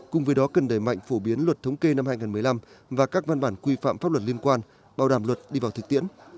cùng với đó cần đẩy mạnh phổ biến luật thống kê năm hai nghìn một mươi năm và các văn bản quy phạm pháp luật liên quan bảo đảm luật đi vào thực tiễn